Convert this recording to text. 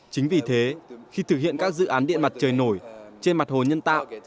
chính vì thế khi thực hiện các dự án điện mặt trời nổi trên mặt hồ nhân tạo